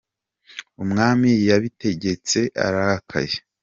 Umwami yabitegetse arakaye.